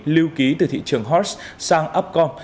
lưu ký từ thị trường horses sang upcom